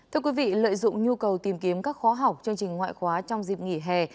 thưa quý vị lợi dụng nhu cầu tìm kiếm các khóa học chương trình ngoại khóa trong dịp nghỉ hè